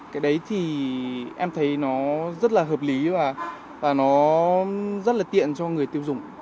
cái đấy thì em thấy nó rất là hợp lý và nó rất là tiện cho người tiêu dùng